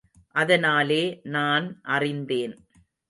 அதனாலே நான் அறிந்தேன்.